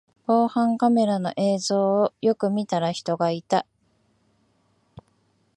防犯カメラの映像をよく見たら人がいた